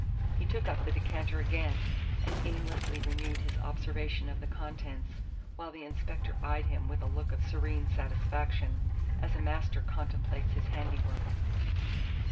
He took up the decanter again, and aimlessly renewed his observation of the contents, while the inspector eyed him with a look of serene satisfaction, as a master contemplates his handiwork.